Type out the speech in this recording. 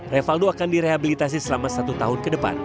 revaldo akan direhabilitasi selama satu tahun ke depan